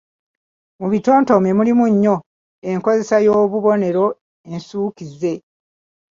Mu bitontome mulimu nnyo enkozesa y’obubonero ensukizze.